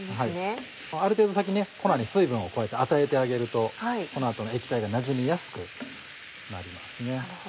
ある程度先に粉に水分をこうやって与えてあげると粉と液体がなじみやすくなりますね。